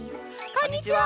こんにちは。